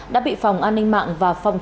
đã bị phòng an ninh mạng và phòng trợ